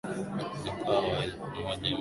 Mwaka mwaka elfu moja mia tisa tisini na tisa